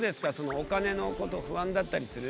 お金のこと不安だったりする？